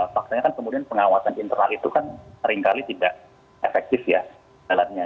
faktanya kan kemudian pengawasan internal itu kan seringkali tidak efektif ya jalannya